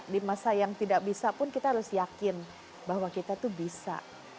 di masa yang tidak bisa pun kita harus yakin bahwa kita tuh bisa